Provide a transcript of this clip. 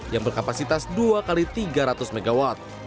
yang berkapasitas dua x tiga ratus mw